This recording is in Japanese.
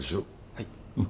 はい。